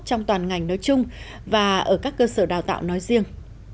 trong toàn ngành nói chung và ở các cơ sở đào tạo nói riêng